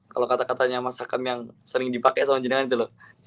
kalau kata katanya mas akan yang sering dipakai